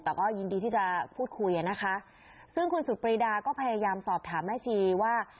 แต่ก็ยินดีที่จะพูดคุยอ่ะนะคะซึ่งคุณสุดปรีดาก็พยายามสอบถามแม่ชีว่า